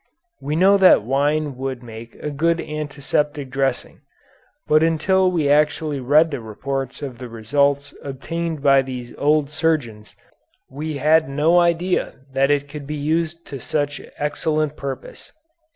We know that wine would make a good antiseptic dressing, but until we actually read the reports of the results obtained by these old surgeons, we had no idea that it could be used to such excellent purpose.